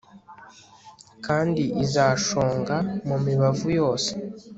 Kandi izashonga mumibavu yose